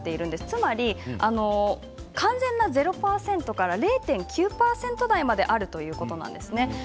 つまり完全な０％から０．９％台まであるということなんです。